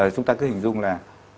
chúng ta cứ hình dung là